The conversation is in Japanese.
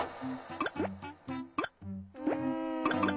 うん。